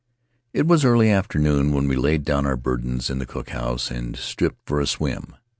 It was early afternoon when we laid down our burdens in the cook house and stripped for a swim.